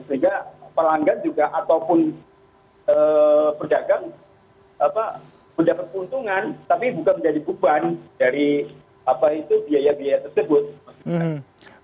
karena pelanggan juga ataupun perdagang mendapat keuntungan tapi bukan menjadi beban dari apa itu biaya biaya tersebut